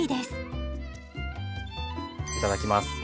いただきます。